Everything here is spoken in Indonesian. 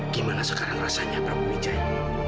gimana sekarang rasanya pramu wijaya